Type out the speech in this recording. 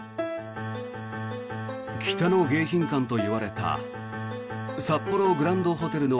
北の迎賓館と言われた札幌グランドホテルの